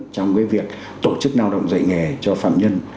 trong việc tổ chức lao động dạy nghề cho phạm nhân